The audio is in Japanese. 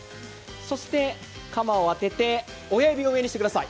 そして鎌を当てて親指を上にしてください。